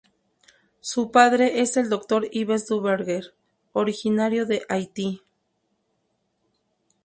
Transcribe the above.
Su padre es el Doctor Ives Duverger, originario de Haití.